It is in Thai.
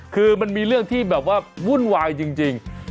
คือมันมีเรื่องที่แบบว่าวุ่นวายจริง